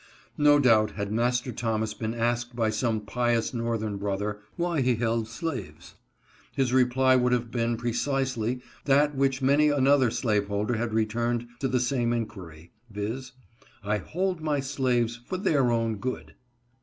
No doubt, had Master Thomas been asked by some pious northern brother, why he held slaves ? his reply would have been precisely that which many another slaveholder has returned to the same inquiry, viz. :" I hold my slaves for their own good."